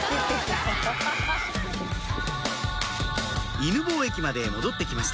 犬吠駅まで戻って来ました